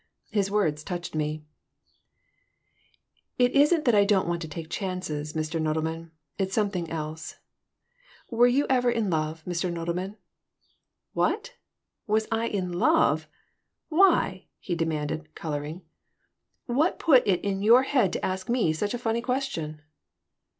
His words touched me "It isn't that I don't want to take chances, Mr. Nodelman. It's something else. Were you ever in love, Mr. Nodelman?" "What? Was I in love? Why?" he demanded, coloring. "What put it in your head to ask me such a funny question?"